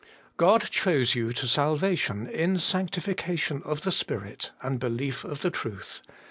God chose you to salvation in sanctification of the Spirit, and belief of the truth.'